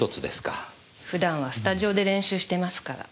普段はスタジオで練習してますから。